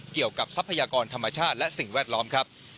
ทรัพยากรธรรมชาติและสิ่งแวดล้อมครับ